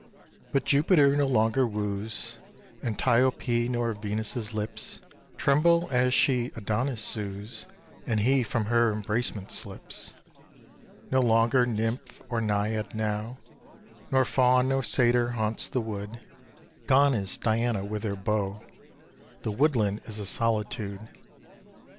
But Jupiter no longer wooes Antiope, nor Venus' lips Tremble as she Adonis sues, And he from her embracement slips. No longer nymph nor naiad now, Nor faun nor satyr haunts the wood, Gone is Diana with her bow, The woodland is a solitude.